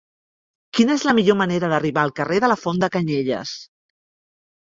Quina és la millor manera d'arribar al carrer de la Font de Canyelles?